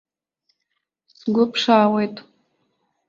Сгәы ԥшаауеит.